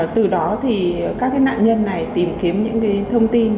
từ đó thì các nạn nhân này tìm kiếm những thông tin